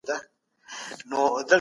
زعفران د شاهي خوړو برخه وه.